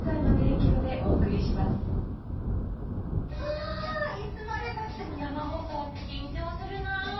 あいつまでたっても生放送って緊張するなぁ。